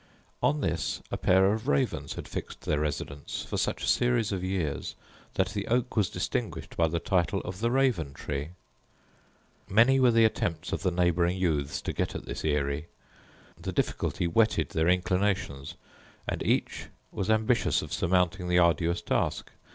On this a pair of ravens had fixed their residence for such a series of years, that the oak was distinguished by the title of the Raven tree. Many were the attempts of the neighbouring youths to get at this eyry: the difficulty whetted their inclinations, and each was ambitious of surmounting the arduous task.